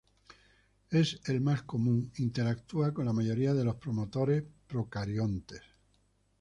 Es el más común, interactúa con la mayoría de los promotores procariontes.